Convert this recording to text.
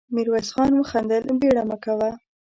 ميرويس خان وخندل: بېړه مه کوه.